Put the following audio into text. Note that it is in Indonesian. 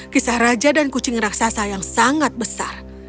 kisah raja dan kucing raksasa yang sangat besar